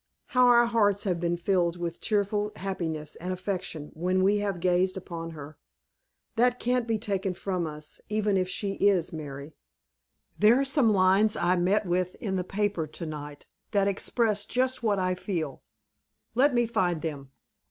how our hearts have been filled with cheerful happiness and affection when we have gazed upon her! That can't be taken from us, even if she is, Mary. There's some lines I met with in the paper, to night, that express just what I feel. Let me find them."